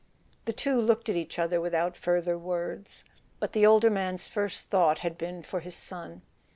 The two looked at each other without further words; but the older man's first thought had been for his son.